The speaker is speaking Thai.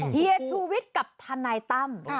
เฮียชูวิทย์กับทนายตั้ม